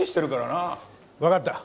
わかった。